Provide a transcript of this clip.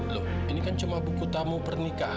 loh ini kan cuma buku tamu pernikahan